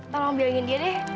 tolong bilangin dia deh